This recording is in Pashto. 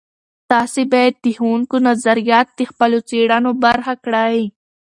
تاسې باید د ښوونکو نظریات د خپلو څیړنو برخه کړئ.